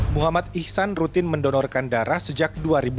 muhammad ihsan rutin mendonorkan darah sejak dua ribu lima